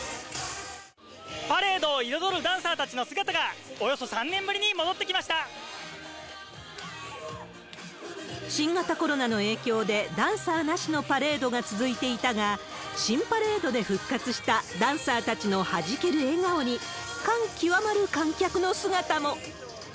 パレードを彩るダンサーたちの姿が、およそ３年ぶりに戻って新型コロナの影響で、ダンサーなしのパレードが続いていたが、新パレードで復活したダンサーたちのはじける笑顔に、感極まる観客の姿も。